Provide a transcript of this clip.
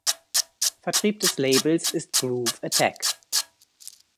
Vertrieb des Labels ist Groove Attack.